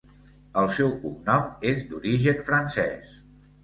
El seu cognom és d'origen francès.